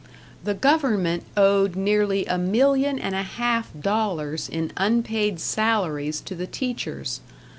The government owed nearly a million and a half dollars in unpaid salaries to the teachers.